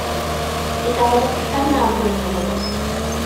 Mi gafodd o swper mawr y noson honno.